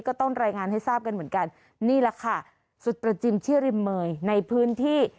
ก็ต้องรายงานให้ทราบกันเหมือนกันนี่แหละค่ะสุดประจิมชื่อริมเมยในพื้นที่